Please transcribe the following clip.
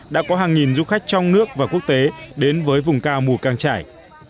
đã có hàng nghìn du khách trong nước và quốc tế đến với vùng cao mù căng trải